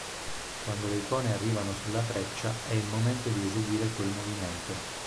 Quando le icone arrivano sulla freccia, è il momento di eseguire quel movimento.